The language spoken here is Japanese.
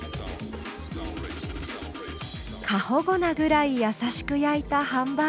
過保護なぐらいやさしく焼いたハンバーグ。